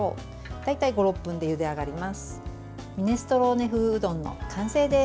大体５６分でゆで上がります。